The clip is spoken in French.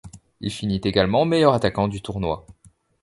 Il finit également meilleur attaquant du tournoi.